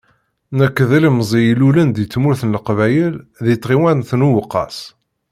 Nekk, d ilmẓi i ilulen deg tmurt n Leqbayel di tɣiwant n Uweqqas.